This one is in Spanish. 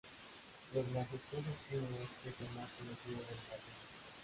Los majestuosos pinos es de lo más conocido del jardín.